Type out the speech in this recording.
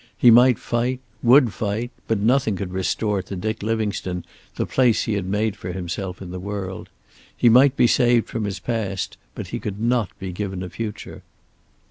He might fight, would fight, but nothing could restore to Dick Livingstone the place he had made for himself in the world. He might be saved from his past, but he could not be given a future.